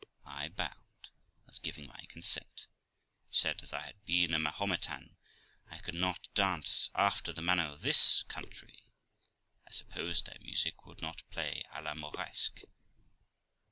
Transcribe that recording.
I bowed, as giving my consent, but said, as I had been a Mahometan, I could not dance after the manner of this country ; I supposed their music would not play a la Moresque.